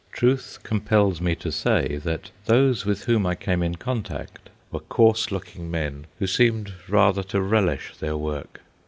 Truth compels me to say that those with whom I came in contact were coarse looking men who seemed rather to relish their work.